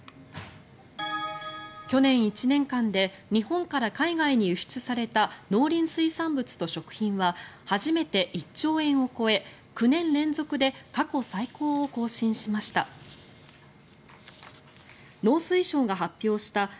去年１年間で日本から海外に輸出された農林水産物と食品は初めて１兆円を超え９年連続で過去最高を更新しました。